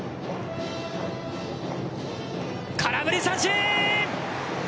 空振り三振！！